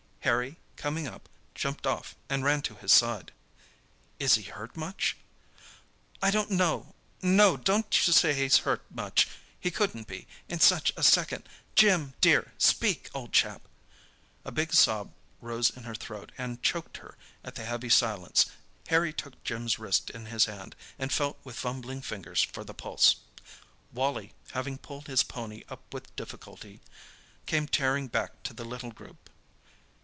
Harry, coming up, jumped off, and ran to his side. "Is he hurt much?" "I don't know—no, don't you say he's hurt much—he couldn't be, in such a second! Jim—dear—speak, old chap!" A big sob rose in her throat, and choked her at the heavy silence. Harry took Jim's wrist in his hand, and felt with fumbling fingers for the pulse. Wally, having pulled his pony up with difficulty, came tearing back to the little group.